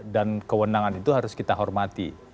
dan kewenangan itu harus kita hormati